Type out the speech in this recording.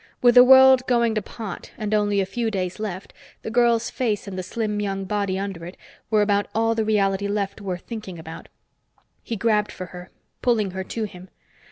With the world going to pot and only a few days left, the girl's face and the slim young body under it were about all the reality left worth thinking about. He grabbed for her, pulling her to him.